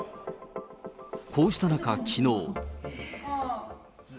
こうした中、きのう。